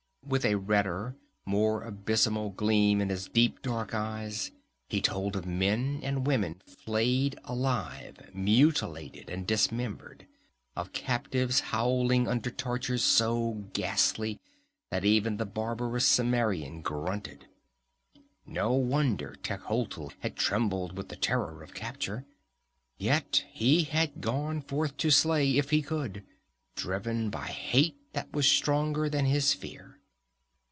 With a redder, more abysmal gleam in his deep dark eyes he told of men and women flayed alive, mutilated and dismembered, of captives howling under tortures so ghastly that even the barbarous Cimmerian grunted. No wonder Techotl had trembled with the terror of capture. Yet he had gone forth to slay if he could, driven by hate that was stronger than his fear.